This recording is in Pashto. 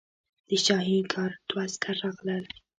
د شاهي ګارډ دوه عسکر راغلل.